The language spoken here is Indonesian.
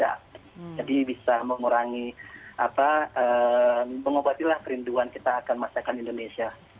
jadi bisa mengurangi apa mengobatilah kerinduan kita akan masyarakat indonesia